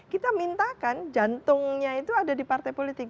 kita mintakan jantungnya itu ada di partai politik